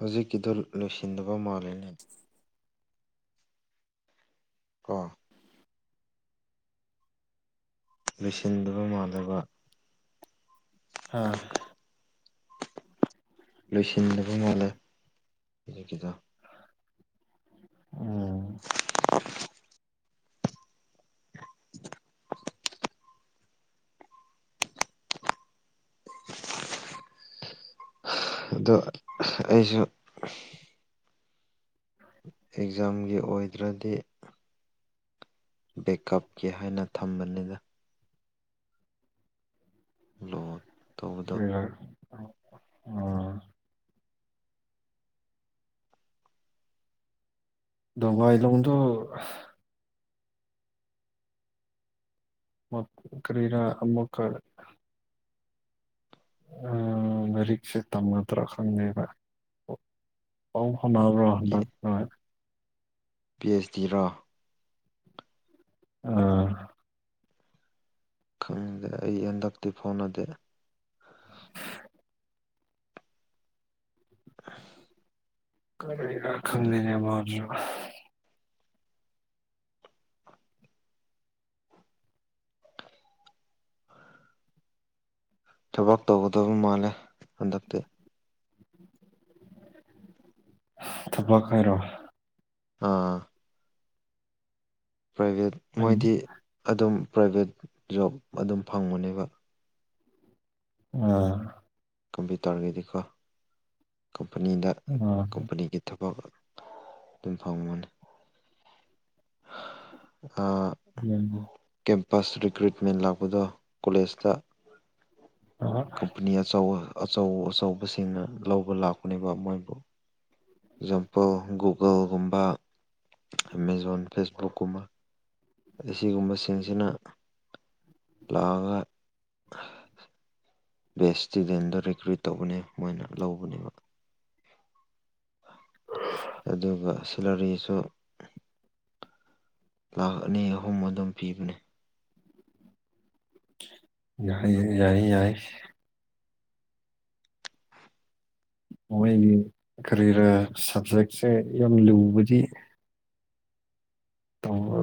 ꯍꯧꯖꯤꯛꯀꯤꯗꯣ ꯂꯣꯏꯁꯤꯟꯗꯕ ꯃꯥꯜꯂꯦ ꯀꯣ ꯂꯣꯏꯁꯤꯟꯗꯕ ꯃꯥꯜꯂꯦꯕ ꯍꯥ ꯂꯣꯏꯁꯤꯟꯗꯕ ꯃꯥꯜꯂꯦ ꯑꯗꯨꯒꯤꯗꯣ ꯎꯝ [unintelligible] [unintelligible] ꯑꯗꯣ ꯑꯩꯖꯨ ꯑꯦꯛꯖꯥꯝꯒꯤ ꯑꯣꯏꯗ꯭ꯔꯗꯤ ꯕꯦꯛꯀꯞꯀꯤ ꯍꯥꯏꯅ ꯊꯝꯕꯅꯤꯗ ꯂꯣꯠ [unintelligible] ꯗ‌ꯣꯡꯒꯥꯏꯂꯣꯡꯗꯣ ꯃꯛ ꯀꯔꯤꯔꯥ ꯑꯃꯨꯛꯀ ꯎꯝ ꯂꯥꯏꯔꯤꯛꯁꯦ ꯇꯝꯒꯗ꯭ꯔꯥ ꯈꯪꯗꯦꯕ ꯄꯥꯎ ꯐꯥꯎꯅꯕ꯭ꯔꯣ ꯕꯛ ꯍꯣꯏ ꯄꯤ ꯑꯦꯁ ꯗꯤꯔꯣ ꯑꯥ ꯈꯪꯗꯦ ꯑꯩ ꯍꯟꯗꯛꯇꯤ ꯐꯥꯎꯅꯗꯦ [unintelligible] ꯀꯔꯤꯔ ꯑꯗꯨ ꯈꯪꯗꯦꯅꯦ ꯃꯥꯖꯨ ꯊꯕꯛ ꯇꯧꯒꯗꯧꯕ ꯃꯥꯜꯂꯦ ꯍꯟꯗꯛꯇꯤ ꯊꯕꯛ ꯍꯥꯏꯔꯣ ꯑꯥ ꯄ꯭ꯔꯥꯏꯚꯦꯠ ꯑꯩ ꯃꯣꯏꯗꯤ ꯑꯗꯨꯝ ꯄ꯭ꯔꯥꯏꯚꯦꯠ ꯖꯣꯕ ꯑꯗꯨꯝ ꯐꯪꯕꯅꯦꯕ ꯑꯥ ꯀꯝꯄ꯭ꯌꯨꯇ꯭ꯔꯒꯤꯗꯤꯀꯣ ꯀꯝꯄꯅꯤꯗ ꯑꯥ ꯀꯝꯄꯅꯤꯒꯤ ꯊꯕꯛ ꯗꯨꯝ ꯐꯪꯕꯅꯤ ꯑꯥ INAUDIBLE ꯀꯦꯝꯄꯁ ꯔꯤꯀ꯭ꯌꯨꯠꯃꯦꯟ ꯂꯥꯛꯄꯗꯣ ꯀꯣꯂꯦꯖꯇ INAUDIBLE ꯀꯝꯄꯅꯤ ꯑꯆꯧꯕ ꯑꯆꯧ ꯑꯆꯧꯕꯁꯤꯡꯅ ꯂꯧꯕ ꯂꯥꯛꯄꯅꯦꯕ ꯃꯣꯏꯕꯨ ꯑꯦꯛꯖꯥꯝꯄꯜ ꯒꯨꯒꯜꯒꯨꯝꯕ ꯑꯦꯃꯦꯖꯣꯟ ꯐꯦꯁꯕꯨꯛꯀꯨꯝꯕ ꯑꯗꯩ ꯑꯁꯤꯒꯨꯝꯕ ꯁꯤꯡꯁꯤꯅ ꯂꯥꯛꯑꯒ ꯕꯦꯠꯁ ꯏꯁꯇꯨꯗꯦꯟꯗ ꯔꯤꯀ꯭ꯌꯨꯏꯠ ꯇꯧꯕꯅꯦ ꯃꯣꯏꯅ ꯂꯧꯕꯅꯦꯕ INAUDIBLE ꯑꯗꯨꯒ ꯁꯤꯂꯔꯤꯁꯨ ꯂꯥꯛꯈ ꯑꯅꯤ- ꯑꯍꯨꯝ ꯑꯗꯨꯝ ꯄꯤꯕꯅꯦ ꯅꯍꯩ ꯌꯥꯏ ꯌꯥꯏ ꯃꯣꯏꯒꯤ ꯀꯔꯤꯔ ꯁꯕꯖꯦꯛꯁꯦ ꯌꯥꯝ ꯂꯨꯕꯗꯤ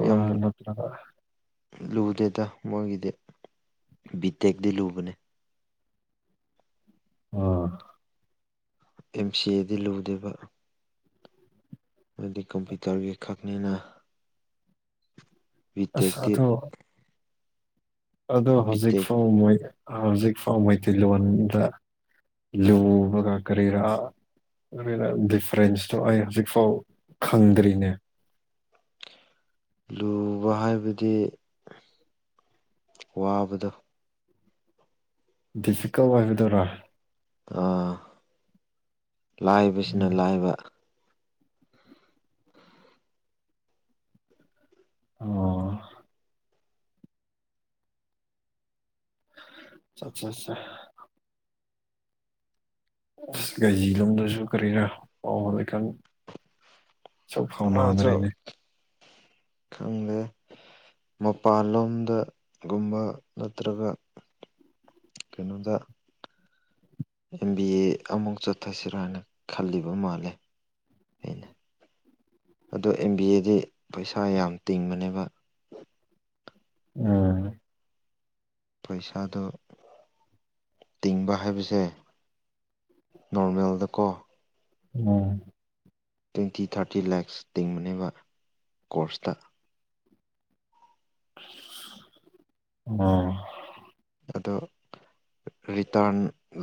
ꯌꯥꯝ ꯂꯨꯗꯦꯗ ꯃꯣꯏꯒꯤꯗꯤ ꯕꯤ ꯇꯦꯛꯇꯤ ꯂꯨꯕꯅꯦ ꯑꯣꯑꯥ ꯑꯦꯝ ꯁꯤ ꯑꯦꯗꯤ ꯂꯨꯗꯦꯕ ꯃꯥꯗꯤ ꯀꯝꯄ꯭ꯌꯨꯇꯔꯒꯤ ꯈꯛꯅꯤꯅ ꯕꯤ ꯑꯥꯁ ꯇꯦꯛꯇꯤ ꯑꯗꯨ ꯑꯗꯣ ꯕꯤ ꯍꯧꯖꯤꯛ ꯇꯦꯛ ꯐꯥꯎ ꯃꯣꯢ ꯍꯧꯖꯤꯛ ꯐꯥꯎ ꯃꯩꯇꯩꯂꯣꯟꯗ ꯂꯨꯕꯒ ꯀꯔꯤꯔꯥ ꯈꯪꯗꯦꯗꯥ ꯗꯤꯐ꯭ꯔꯦꯟꯁꯇꯣ ꯑꯩ ꯍꯧꯖꯤꯛꯐꯥꯎ ꯈꯪꯗ꯭ꯔꯤꯅꯦ ꯂꯨꯕ ꯍꯥꯏꯕꯗꯤ ꯋꯥꯕꯗꯣ ꯗꯤꯐꯤꯀ꯭ꯜ ꯑꯣꯢꯕꯗꯨꯔꯥ ꯑꯥ ꯂꯥꯏꯕꯁꯤꯅ ꯎꯝ ꯂꯥꯏꯕ ꯑꯣꯑꯣ ꯆꯥꯆꯥꯆꯥ UNINTELLIGIBLE ꯃꯥꯖꯨ ꯈꯪꯗꯦ ꯃꯄꯥꯟꯂꯣꯝꯗ ꯒꯨꯝꯕ ꯅꯠꯇ꯭ꯔꯒ ꯀꯩꯅꯣꯗ ꯑꯦꯝ ꯕꯤ ꯑꯦ ꯑꯃꯨꯛ ꯆꯠꯊꯁꯤꯔꯅ ꯈꯜꯂꯤꯕ ꯃꯥꯜꯂꯦ ꯑꯩꯅ ꯑꯗꯣ ꯑꯦꯝ ꯕꯤ ꯑꯦꯗꯤ ꯄꯩꯁꯥ ꯌꯥꯝ ꯇꯤꯡꯕꯅꯦꯕ ꯑꯪꯑ ꯄꯩꯁꯥꯗꯣ ꯇꯤꯡꯕ ꯍꯥꯏꯕꯁꯦ ꯅꯣꯔꯃꯦꯜꯗꯀꯣ ꯎꯝ ꯇ꯭ꯋꯦꯟꯇꯤ ꯊꯥꯔꯇꯤ ꯂꯥꯛꯁ ꯇꯤꯡꯕꯅꯦꯕ ꯀꯣꯔꯁꯇ INAUDIBLE ꯑꯗꯨ ꯔꯤꯇꯥꯔꯟ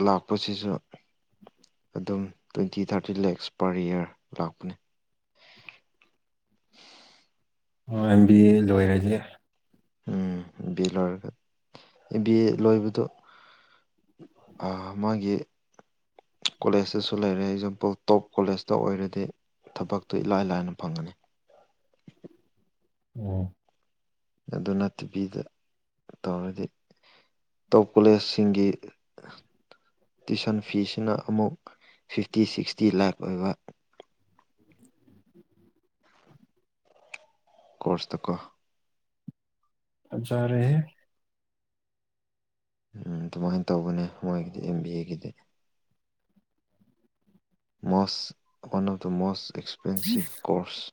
ꯂꯥꯛꯄꯁꯤꯁꯨ ꯑꯗꯨꯝ twenty thirty lakhs per year ꯂꯥꯛꯄꯅꯤ ꯃꯥꯑꯦꯝ ꯕꯤ ꯑꯦ ꯂꯣꯏꯔꯗꯤ ꯎꯪ ꯑꯦꯝ ꯕꯤ ꯑꯦ ꯂꯣꯏꯔꯒ ꯑꯦꯝꯕꯤ ꯑꯦ ꯂꯣꯏꯕꯗꯨ ꯑꯥꯑ ꯃꯣꯏꯒꯤ ꯀꯣꯂꯦꯖꯇꯁꯨ ꯂꯩꯔꯦ ꯑꯦꯛꯖꯥꯝꯄꯜ ꯇꯣꯞ ꯀꯣꯂꯦꯖꯇ ꯑꯣꯏꯔꯗꯤ ꯊꯕꯛꯇꯨ ꯏꯂꯥꯏ- ꯂꯥꯏꯅ ꯐꯪꯒꯅꯤ [unintelligible] ꯑꯗꯨꯅ ꯅꯠꯇꯕꯤꯗ ꯇꯧꯔꯗꯤ ꯇꯣꯞ ꯀꯣꯂꯦꯖꯁꯤꯡꯒꯤ ꯇꯨꯋꯤꯁꯟ ꯐꯤꯁꯤꯅ ꯑꯃꯨꯛ ꯐꯤꯐꯇꯤ ꯁꯤꯛꯁꯇꯤ ꯂꯥꯛ ꯑꯣꯏꯕ ꯀꯣꯔꯁꯇꯀꯣ ꯐꯖꯔꯦꯍꯦ ꯎꯝ ꯗꯨꯃꯥꯏꯅ ꯇꯧꯕꯅꯦ ꯃꯣꯏꯒꯤꯗꯤ ꯑꯦꯝ ꯕꯤ ꯑꯦꯒꯤꯗꯤ most one of the most expensive course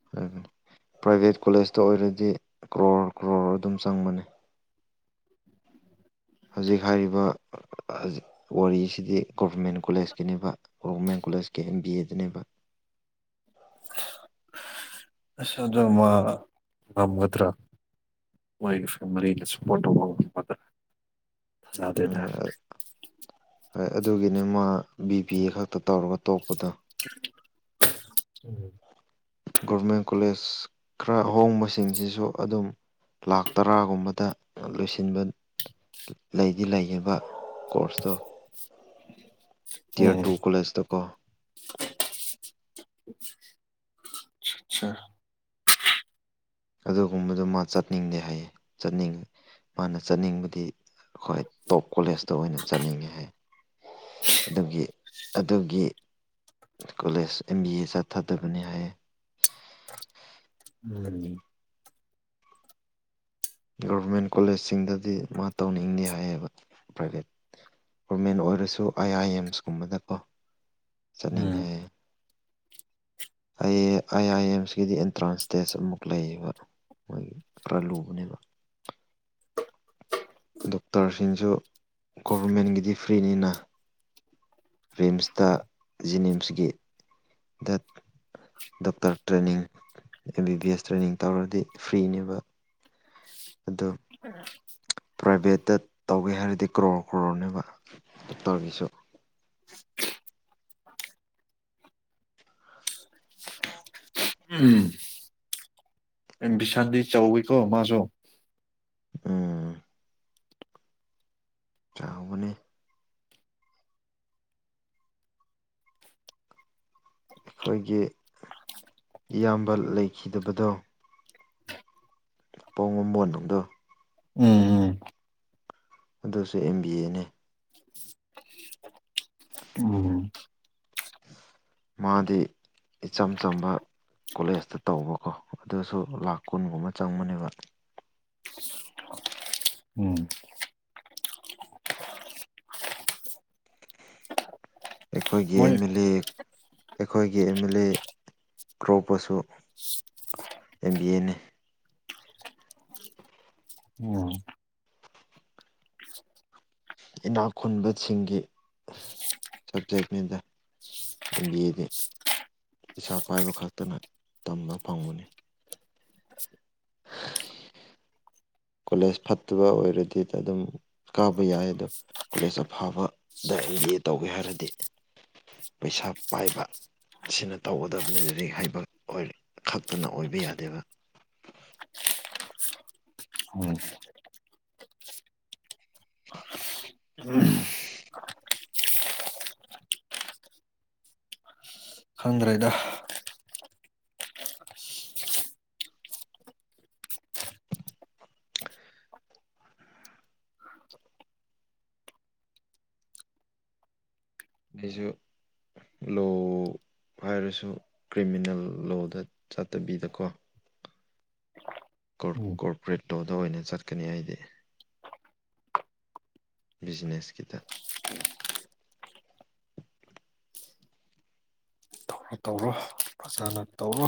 [unintelligible] private ꯀꯣꯂꯦꯖꯇ ꯑꯣꯏꯔꯗꯤ ꯀ꯭ꯔꯣꯔ ꯀ꯭ꯔꯣꯔ ꯑꯗꯨꯝ ꯆꯪꯕꯅꯦ ꯍꯧꯖꯤꯛ ꯍꯥꯏꯔꯤꯕ [unintelligible] ꯋꯥꯔꯤꯁꯤꯗꯤ ꯒꯣꯕꯔꯃꯦꯟ ꯀꯣꯂꯦꯖꯀꯤꯅꯤꯕ ꯒꯣꯕꯔꯃꯦꯟ ꯀꯣꯂꯦꯖꯀꯤ ꯑꯦꯝ ꯕꯤ ꯑꯦꯗꯅꯦꯕ [unintelligible] ꯑꯁ ꯑꯗꯨ ꯃꯥ ꯉꯝꯒꯗꯔꯥ ꯃꯣꯏꯒꯤ ꯐꯦꯃꯤꯂꯤꯅ ꯁꯞꯄꯣꯔꯠ ꯇꯧꯕ ꯉꯝꯒꯗꯔꯥ ꯎꯝ [unintelligible] ꯑꯗꯨꯒꯤꯅꯦ ꯃꯥ ꯕꯤ ꯕꯤꯑꯦ ꯈꯛꯇ ꯇꯧꯔꯒ ꯇꯣꯛꯄꯗꯣ [unintelligible] ꯒꯣꯕ꯭ꯔꯃꯦꯟ ꯀꯣꯂꯦꯖ ꯈꯔ ꯑꯍꯣꯡꯕꯁꯤꯡꯁꯤꯁꯨ ꯑꯗꯨꯝ ꯂꯥꯛ ꯇꯔꯥꯒꯨꯝꯕꯗ ꯂꯣꯏꯁꯤꯟꯕ ꯂꯩꯗꯤ ꯂꯩꯌꯦꯕ ꯀꯣꯔꯁꯇꯣ ꯇꯤꯌꯔ ꯎꯝ ꯇꯨ ꯀꯣꯂꯦꯖꯇꯀꯣ ꯑꯠꯆꯥ ꯑꯗꯨꯒꯨꯝꯕꯗꯨ ꯃꯥ ꯆꯠꯅꯤꯡꯗꯦ ꯍꯥꯏꯌꯦ ꯆꯠꯅꯤꯡ ꯃꯥꯅ ꯆꯠꯅꯤꯡꯕꯗꯤ ꯍꯣꯏ ꯇꯣꯞ ꯀꯣꯂꯦꯖꯇ ꯑꯣꯏꯅ ꯆꯠꯅꯤꯡꯉꯦ ꯍꯥꯏ ꯑꯗꯨꯒꯤ ꯑꯗꯨꯒꯤ ꯀꯣꯂꯦꯖ ꯑꯦꯝ ꯕꯤ ꯑꯦ ꯆꯠꯊꯗꯕꯅꯦ ꯍꯥꯏꯌꯦ [unintelligible] ꯒꯣꯕꯔꯃꯦꯟ ꯀꯣꯂꯦꯖꯁꯤꯡꯗꯗꯤ ꯃꯥ ꯇꯧꯅꯤꯡꯗꯦ ꯍꯥꯏꯌꯦꯕ ꯄ꯭ꯔꯥꯏꯚꯦꯠ ꯒꯣꯔꯃꯦꯟ ꯑꯣꯏꯔꯁꯨ ꯑꯥꯏ ꯑꯥꯏ ꯑꯦꯝꯁꯀꯨꯝꯕꯗꯀꯣ ꯆꯠꯅꯤꯡꯉꯦ ꯎꯝ ꯍꯥꯏꯌꯦ ꯑꯩ ꯑꯥꯏ ꯑꯥꯏ ꯑꯦꯝꯁꯀꯤꯗꯤ ꯑꯦꯟꯇ꯭ꯔꯥꯟꯁ ꯇꯦꯁ ꯑꯃꯨꯛ ꯂꯩꯌꯦꯕ ꯃꯣꯏꯒꯤ ꯈ꯭ꯔꯥꯂꯨꯕꯅꯦꯕ ꯗꯣꯛꯇꯔꯁꯤꯡꯁꯨ ꯒꯣꯕꯔꯃꯦꯟꯒꯤꯗꯤ ꯐ꯭ꯔꯤꯅꯤꯅ ꯔꯤꯝꯁꯇ ꯖꯤꯅꯤꯝꯁꯒꯤ ꯗꯠ doctor training M B B S training ꯇꯧꯔꯗꯤ ꯐ꯭ꯔꯤꯅꯦꯕ ꯑꯗꯨ [unintelligible] [unintelligible] ꯄ꯭ꯔꯥꯏꯕꯦꯠꯇ ꯇꯧꯒꯦ ꯍꯥꯏꯔꯗꯤ ꯀ꯭ꯔꯣꯔ ꯀ꯭ꯔꯣꯔꯅꯦꯕ ꯗꯣꯛꯇꯔꯒꯤꯁꯨ [unintelligible] ꯎꯝ ꯑꯦꯝꯕꯤꯁꯟꯗꯤ ꯆꯥꯎꯋꯤꯀꯣ ꯃꯥꯁꯨ ꯎꯝ ꯆꯥꯎꯕꯅꯦ ꯈꯣꯏꯒꯤ ꯏꯌꯥꯝꯕ ꯂꯩꯈꯤꯗꯕꯗꯣ ꯄꯥꯎꯉꯝꯋꯣꯟꯅꯨꯡꯗꯣ ꯎꯝ ꯑꯗꯨꯁꯨ ꯑꯦꯝ ꯕꯤ ꯑꯦ ꯅꯦ ꯑꯣ ꯃꯥꯗꯤ ꯏꯆꯝ ꯆꯝꯕ ꯀꯣꯂꯦꯖꯇ ꯇꯧꯕꯀꯣ ꯑꯗꯨꯁꯨ ꯂꯥꯛ ꯀꯨꯟꯒꯨꯝꯕ ꯆꯪꯕꯅꯦꯕ꯫ ꯎꯝ ꯑꯩꯈꯣꯏꯒꯤ ꯃꯣꯏ ꯑꯦꯝ ꯑꯦꯜ ꯑꯦ ꯑꯩꯈꯣꯏꯒꯤ ꯑꯦꯝ ꯑꯦꯜ ꯑꯦ꯫ ꯀ꯭ꯔꯣꯄꯁꯨ ꯑꯦꯝ ꯕꯤ ꯑꯦ ꯅꯦ ꯫ ꯑꯣ ꯏꯅꯥꯛ ꯈꯨꯟꯕꯁꯤꯡꯒꯤ꯫ ꯁꯕꯖꯦꯛꯅꯤꯗ ꯑꯦꯝ ꯕꯤ ꯑꯦꯗꯤ ꯄꯤꯁꯥ ꯄꯥꯏꯕ ꯈꯛꯇꯅ ꯇꯝꯕ ꯐꯪꯕꯅꯤ꯫ ꯀꯣꯂꯦꯖ ꯐꯠꯇꯕ ꯑꯣꯏꯔꯗꯤ ꯑꯗꯨꯝ ꯀꯥꯕ ꯌꯥꯏ ꯑꯗꯣ꯫ ꯀꯣꯂꯦꯖ ꯑꯐꯥꯕꯗ ꯑꯦꯝ ꯕꯤ ꯑꯦ ꯇꯧꯒꯦ ꯍꯥꯏꯔꯗꯤ ꯄꯩꯁꯥ ꯄꯥꯏꯕ꯫ ꯁꯤꯅ ꯇꯧꯒꯗꯕꯅꯦ ꯂꯔꯤꯛ ꯍꯩꯕ ꯑꯣꯏꯔ ꯈꯛꯇꯅ ꯑꯣꯏꯕ ꯌꯥꯗꯦꯕ꯫ ꯎꯝ꯫ [inaudible] ꯈꯪꯗ꯭ꯔꯦꯗ [inaudible] ꯑꯩꯖꯨ ꯂꯣ ꯍꯥꯏꯔꯁꯨ ꯀ꯭ꯔꯤꯃꯤꯅꯦꯜ ꯂꯣꯗꯥ ꯆꯠꯇꯕꯤꯗꯀꯣ꯫ ꯀꯣꯔ ꯎꯝ ꯀꯣꯔꯄꯔꯦꯠ ꯇꯣꯗꯥ ꯑꯣꯏꯅ ꯆꯠꯀꯅꯤ ꯑꯩꯗꯤ꯫ ꯕꯤꯖꯤꯅꯦꯁꯀꯤꯗꯥ ꯫ ꯍꯥꯇꯧꯔꯣ ꯐꯖꯥꯅ ꯇꯧꯔꯣ꯫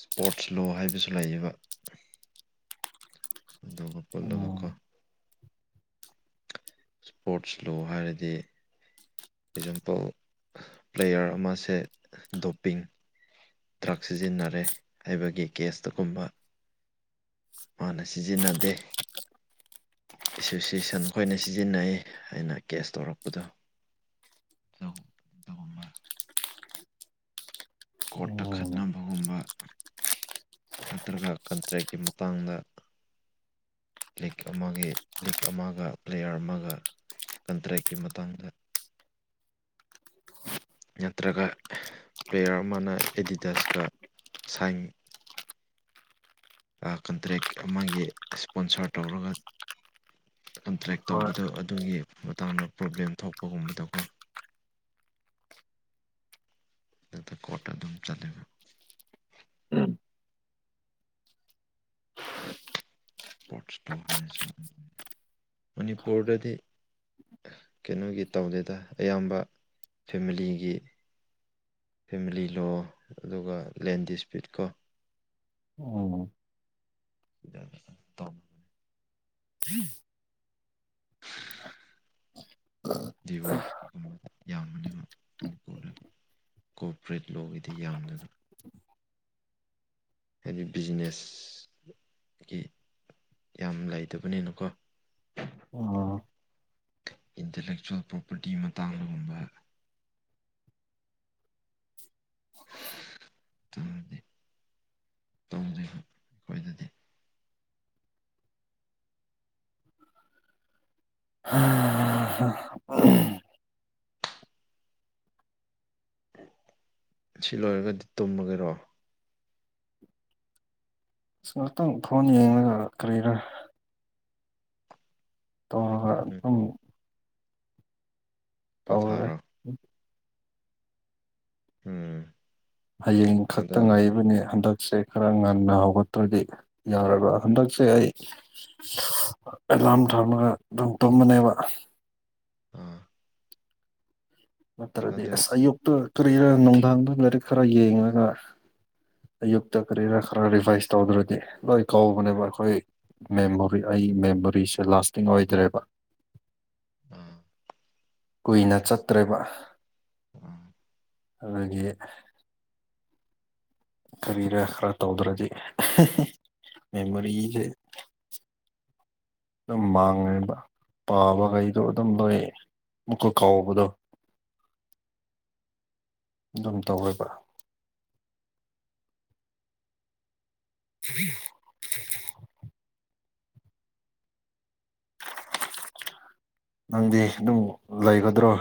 ꯁ꯭ꯄꯣꯔꯠꯁ ꯂꯣ ꯍꯥꯏꯕꯁꯨ ꯂꯩꯌꯦꯕ꯫ ꯑꯗꯨꯒ ꯄꯨꯜꯂꯒ ꯀꯣ꯫ ꯎꯝ ꯁꯄꯣꯔꯠꯁ ꯂꯣ ꯍꯥꯏꯔꯗꯤ꯫ ꯑꯦꯛꯖꯝꯄꯜ ꯄ꯭ꯂꯦꯌꯔ ꯑꯃꯁꯦ ꯗꯣꯞꯄꯤꯡ꯫ ꯗ꯭ꯔꯛ ꯁꯤꯖꯤꯟꯅꯔꯦ ꯍꯥꯏꯕꯒꯤ ꯀꯦꯁꯇꯒꯨꯝꯕ꯫ ꯃꯥꯅ ꯁꯤꯖꯤꯟꯅꯗꯦ ꯑꯦꯁꯣꯁꯤꯁꯟ ꯈꯣꯏꯅ ꯁꯤꯖꯤꯟꯅꯩ ꯍꯥꯏꯅ ꯀꯦꯁ ꯇꯧꯔꯛꯄꯗꯣ ꯗꯣ ꯀꯣꯔꯠꯇ ꯎꯝ ꯈꯠꯅꯕꯒꯨꯝꯕ ꯅꯠꯇ꯭ꯔꯒ ꯀꯟꯇ꯭ꯔꯦꯛꯀꯤ ꯃꯇꯥꯡꯗ ꯂꯤꯛ ꯑꯃꯒꯤ ꯂꯤꯛ ꯑꯃꯒ ꯄ꯭ꯂꯦꯌꯔ ꯑꯃꯒ ꯀꯟꯇ꯭ꯔꯦꯛꯀꯤ ꯃꯇꯥꯡꯗ ꯅꯠꯇ꯭ꯔꯒ ꯄ꯭ꯂꯦꯌꯔ ꯑꯃꯅ ꯑꯦꯗꯤꯗꯁꯀ ꯁꯥꯏꯟ ꯑꯥ ꯀꯟꯇ꯭ꯔꯦꯛ ꯑꯃꯒꯤ ꯁꯄꯣꯟꯁꯔ ꯇꯧꯔꯒ ꯀꯟꯇ꯭ꯔꯦꯛ ꯍꯣꯏ ꯇꯧꯕꯗꯣ ꯑꯗꯨꯒꯤ ꯃꯇꯥꯡꯗ ꯄ꯭ꯔꯣꯕ꯭ꯂꯦꯝ ꯊꯣꯛꯄꯒꯨꯝꯕꯗꯀꯣ ꯑꯗ ꯀꯣꯔꯠꯇ ꯑꯗꯨꯝ ꯆꯥꯠꯂꯦꯕ ꯄꯣꯠꯁ ꯂꯣ ꯍꯥꯏꯅ [unintelligible] ꯃꯅꯤꯄꯣꯔꯗꯗꯤ ꯀꯩꯅꯣꯒꯤ ꯇꯧꯗꯦꯗ ꯑꯌꯥꯝꯕ ꯐꯦꯃꯤꯂꯤꯒꯤ ꯐꯦꯃꯤꯂꯤ ꯂꯣ ꯑꯗꯨꯒ ꯂꯦꯟ ꯗꯤꯁꯄ꯭ꯌꯨꯠ ꯀꯣ ꯎꯝ [unintelligible] ꯗꯤꯚꯣꯔꯁꯀꯤꯒꯨꯝꯕ ꯌꯥꯝꯕꯅꯦꯕ ꯃꯅꯤꯄꯨꯔꯗ ꯀꯣꯄꯔꯦꯠ ꯂꯣꯝꯒꯤꯗꯤ ꯌꯥꯝꯅ꯫ ꯍꯥꯏꯗꯤ ꯕꯤꯖꯤꯅꯦꯁ꯫ ꯒꯤ ꯌꯥꯝ ꯂꯩꯇꯕꯅꯤꯅꯀꯣ꯫ ꯎꯝ ꯏꯟꯇꯔꯂꯦꯛꯆꯨꯋꯦꯜ ꯄ꯭ꯔꯣꯄꯔꯇꯤ ꯃꯇꯥꯡꯗꯒꯨꯝꯕ꯫ ꯇꯧꯗꯦ ꯇꯧꯗꯦ ꯑꯩꯈꯣꯏꯗꯗꯤ꯫ ꯑꯁ ꯁꯤ ꯂꯣꯏꯔꯒꯗꯤ ꯇꯨꯝꯃꯒꯦꯔꯣ꯫ ꯑꯁ ꯉꯍꯥꯛꯇꯪ ꯐꯣꯟ ꯌꯦꯡꯂꯒ ꯀꯔꯤꯔꯥ꯫ ꯇꯧꯔꯒ ꯎꯝ꯫ ꯑꯗꯨꯝ ꯇꯧꯔꯦ ꯄꯣꯊꯔꯣ꯫ ꯎꯝ꯫ ꯍꯌꯦꯡ ꯈꯛꯇ ꯑꯗꯣ ꯉꯥꯏꯕꯅꯦ ꯍꯟꯗꯛꯁꯦ꯫ ꯈꯔ ꯉꯟꯅ ꯍꯧꯒꯠꯇ꯭ꯔꯗꯤ ꯌꯥꯔꯔꯣꯏ ꯍꯟꯗꯛꯁꯦ ꯑꯩ꯫ ꯑꯦꯂꯥꯔꯝ ꯊꯝꯃꯒ ꯑꯗꯨꯝ ꯇꯨꯝꯕꯅꯦꯕ꯫ ꯎꯝ꯫ ꯅꯠꯇ꯭ꯔꯗꯤ ꯑꯗꯣ ꯑꯁ ꯑꯌꯨꯛꯇ ꯀꯔꯤꯔ ꯅꯨꯡꯗꯥꯡꯗ ꯂꯥꯏꯔꯤꯛ ꯈꯔ ꯌꯦꯡꯉꯒ꯫ ꯑꯌꯨꯛꯇ ꯀꯔꯤꯔꯥ ꯈꯔ ꯔꯤꯚꯥꯏꯁ ꯇꯧꯗ꯭ꯔꯗꯤ ꯂꯣꯏ ꯀꯧꯕꯅꯦꯕ ꯑꯩꯈꯣꯏ꯫ ꯃꯦꯃꯣꯔꯤ ꯑꯩ ꯃꯦꯃꯣꯔꯤꯁꯦ ꯂꯥꯁꯇꯤꯡ ꯑꯣꯏꯗ꯭ꯔꯦꯕ꯫ ꯎꯝ꯫ ꯀꯨꯏꯅ ꯆꯠꯇ꯭ꯔꯦꯕ꯫ ꯎꯝ꯫ ꯑꯗꯒꯤ꯫ ꯀꯔꯤꯔ ꯈꯔ ꯇꯧꯗ꯭ꯔꯗꯤ ꯃꯦꯃꯣꯔꯤꯁꯦ ꯑꯗꯨꯝ ꯃꯥꯡꯉꯦꯕ ꯄꯥꯕꯈꯩꯗꯣ ꯑꯗꯨꯝ ꯂꯣꯏ ꯃꯨꯛꯀ ꯀꯥꯎꯕꯗꯣ꯫ [inaudible] ꯑꯗꯨꯝ ꯇꯧꯑꯦꯕ꯫ [inaudible] ꯅꯪꯗꯤ ꯑꯗꯨꯝ ꯂꯩꯒꯗ꯭ꯔꯣ꯫